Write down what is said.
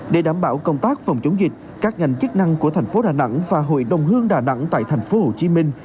để đảm bảo công tác phòng chống dịch các ngành chức năng của thành phố đà nẵng và hội đồng hương đà nẵng tại thành phố hồ chí minh